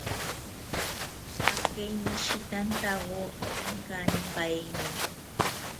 Akeinishitantawo inkanipaeni